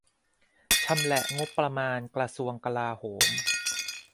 ชำแหละงบประมาณ "กระทรวงกลาโหม"